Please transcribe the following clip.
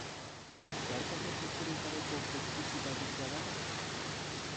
Zeharkako efekturik gabeko pestizidarik badago?